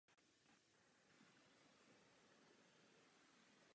Jeho cílem bylo dokončit expedici za osmdesát dní.